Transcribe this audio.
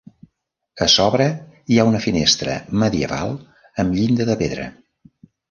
A sobre hi ha una finestra medieval amb llinda de pedra.